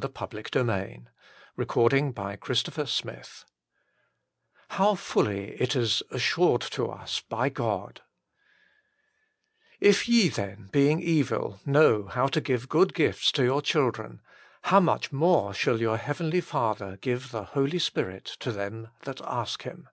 THE FULL BLESSING OF PENTECOST fitllg it is assure* to us fog "If ye then, being evil, know how to give good gifts to your children : how much more shall your Heavenly Father give the Holy Spirit to them that ask Him?"